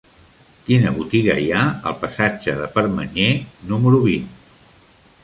Quina botiga hi ha al passatge de Permanyer número vint?